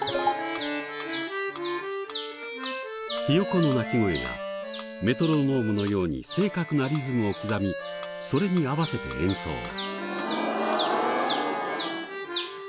ひよこの鳴き声がメトロノームのように正確なリズムを刻みそれに合わせて演奏。